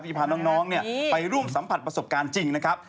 พาน้องไปร่วมสัมผัสประสบการณ์จริงนะครับ